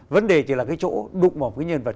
vấn đề chỉ là cái chỗ đụng vào một cái nhân vật